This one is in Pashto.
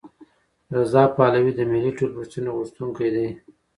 رضا پهلوي د ملي ټولپوښتنې غوښتونکی دی.